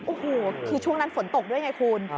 โอ้โหคือช่วงนั้นฝนตกด้วยไงคุณ